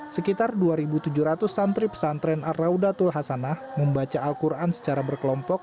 sekitar dua tujuh ratus santri pesantren ar raudatul hasanah membaca al quran secara berkelompok